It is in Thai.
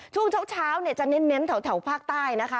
ช่วงเช้าจะเน้นแถวภาคใต้นะคะ